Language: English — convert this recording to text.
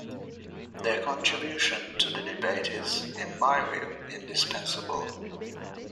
Their contribution to the debate is, in my view, indispensable.